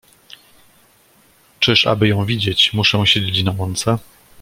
"„Czyż, aby ją widzieć, muszę siedzieć na łące?"